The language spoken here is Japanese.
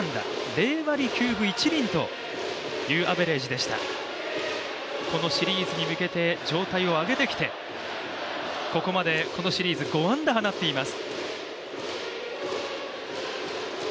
０割９分１厘というアベレージでしたこのシリーズに向けて状態を上げてきて、ここまでこのシリーズ、５安打放っています。